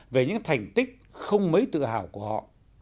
về những thành tích không mấy tự hào của họ